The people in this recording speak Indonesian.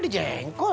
emang saja jengkol